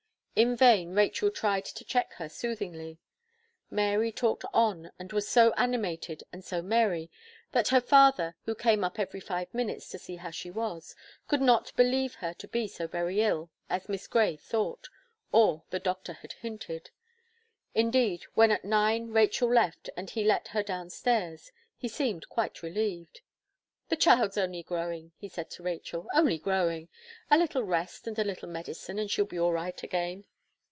In vain Rachel tried to check her soothingly; Mary talked on and was so animated and so merry, that her father, who came up every five minutes to see how she was, could not believe her to be so very ill as Miss Gray thought, or the Doctor had hinted. Indeed, when at nine Rachel left, and he let her down stairs, he seemed quite relieved. "The child's only growing," he said to Rachel, "only growing; a little rest and a little medicine, and she'll be all right again."